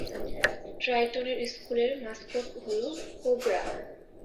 ট্রাইটনের স্কুলের মাসকট হলো কোবরা।